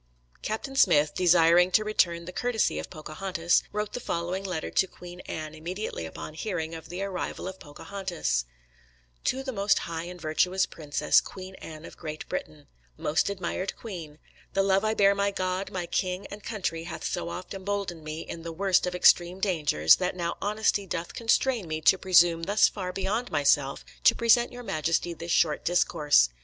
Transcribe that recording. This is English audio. Captain Smith, desiring to return the courtesy of Pocahontas, wrote the following letter to Queen Anne immediately upon hearing of the arrival of Pocahontas: To the most high and virtuous Princess, Queen Anne of Great Britain MOST ADMIRED QUEEN: The love I bear my God, my king, and country hath so oft emboldened me in the worst of extreme dangers, that now honesty doth constrain me to presume thus far beyond myself to present Your Majesty this short discourse.